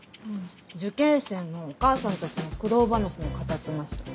受験生のお母さんたちの苦労話も語ってました。